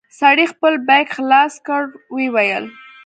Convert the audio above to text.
سړي خپل بېګ خلاص کړ ويې ويل.